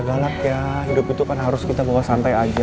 galak ya hidup itu kan harus kita bawa santai aja